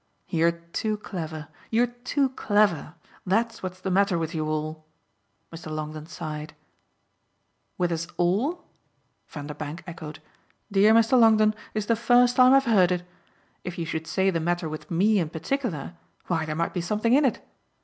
"You're too clever you're too clever: that's what's the matter with you all!" Mr. Longdon sighed. "With us ALL?" Vanderbank echoed. "Dear Mr. Longdon, it's the first time I've heard it. If you should say the matter with ME in particular, why there might be something in it.